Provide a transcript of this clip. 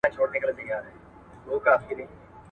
ایا په راډیو کې د خبرونو لړۍ پای ته ورسېده؟